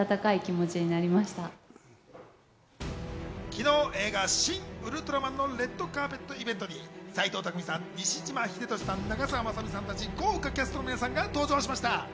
昨日は映画『シン・ウルトラマン』のレッドカーペットイベントに斎藤工さん、西島秀俊さん、長澤まさみさんたち豪華キャストの皆さんが登場しました。